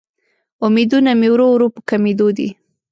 امیدونه مې ورو ورو په کمیدو دې